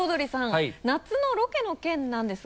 夏のロケの件なんですが。